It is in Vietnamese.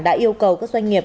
đã yêu cầu các doanh nghiệp